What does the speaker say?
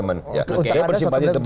saya bersimpati kepada teman teman